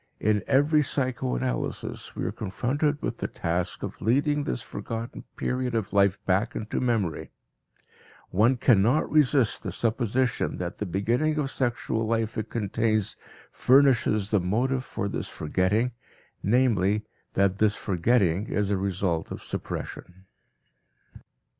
In every psychoanalysis we are confronted with the task of leading this forgotten period of life back into memory; one cannot resist the supposition that the beginning of sexual life it contains furnishes the motive for this forgetting, namely, that this forgetting is a result of suppression.